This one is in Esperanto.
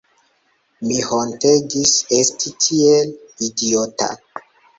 Mi hontegis esti tiel idiota.